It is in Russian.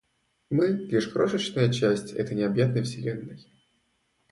Мы - лишь крошечная часть этой необъятной Вселенной.